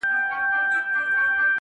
پر مردارو وي راټول پر لویو لارو-